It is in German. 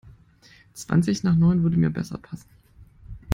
Zwanzig nach neun würde mir besser passen.